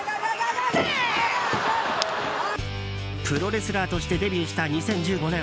プロレスラーとしてデビューした２０１５年。